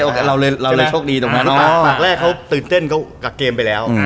ปากแรกเขาตื่นเต้นกับเกมไปแล้ว